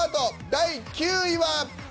第９位は。